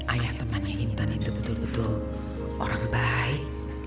ayah temannya intan itu betul betul orang baik